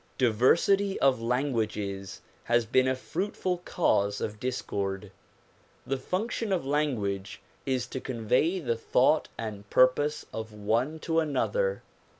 Diversity of languages has been a fruitful cause of discord. The function of language is to convey the thought and purpose of one to another.